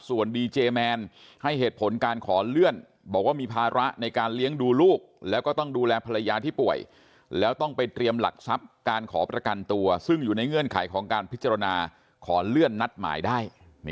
ส่วนดีเจแมนให้เหตุผลการขอเลื่อนบอกว่ามีภาระในการเลี้ยงดูลูกแล้วก็ต้องดูแลภรรยาที่ป่วยแล้วต้องไปเตรียมหลักทรัพย์การขอประกันตัวซึ่งอยู่ในเงื่อนไขของการพิจารณาขอเลื่อนนัดหมายได้